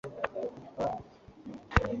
nombre de d clarations de transactions